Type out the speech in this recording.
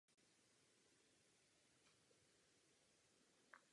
Právě vytvoření přirozeného světla je jedním z nejdůležitějších bodů této stavby.